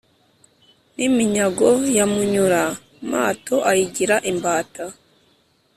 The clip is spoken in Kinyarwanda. n'iminyago ya munyura-mato ayigira imbata.